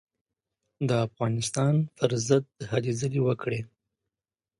د افغانستان پر ضد هلې ځلې وکړې.